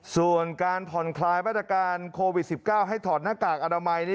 ส่วนการผ่อนคลายมาตรการโควิด๑๙ให้ถอดหน้ากากอนามัย